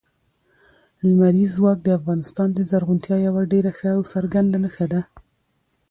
لمریز ځواک د افغانستان د زرغونتیا یوه ډېره ښه او څرګنده نښه ده.